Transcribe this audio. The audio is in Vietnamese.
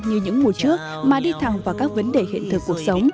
như những mùa trước mà đi thẳng vào các vấn đề hiện thực cuộc sống